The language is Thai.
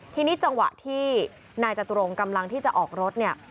ทีนี้จังหวะที่นายจตุรงกำลังที่จะออกรถเนี่ย